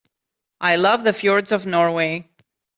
I love the fjords of Norway.